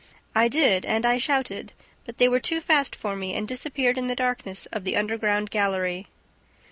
"I did and I shouted, but they were too fast for me and disappeared in the darkness of the underground gallery."